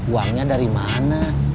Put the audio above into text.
uangnya dari mana